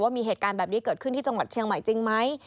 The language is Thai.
มีเหตุการณ์แบบนี้เกิดขึ้นที่จังหวัดเชียงใหม่จริงไหม